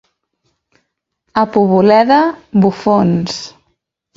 A Poboleda, bufons.